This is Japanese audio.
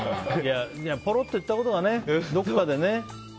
ぽろっといったことがどこまでね。